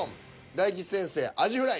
大吉先生「アジフライ」